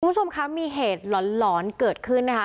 คุณผู้ชมคะมีเหตุหลอนเกิดขึ้นนะคะ